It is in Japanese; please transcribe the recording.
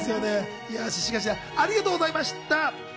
シシガシラ、ありがとうございました。